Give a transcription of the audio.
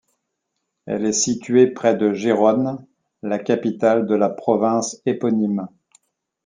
Elle est située près de Gérone, la capitale de la province éponyme.